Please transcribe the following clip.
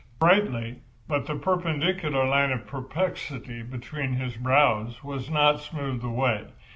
Brightly, but the perpendicular line of perplexity between his brows was not smoothed away.